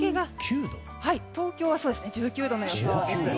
東京は水曜日１９度の予想。